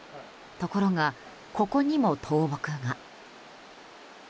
ところが、ここにも倒木が。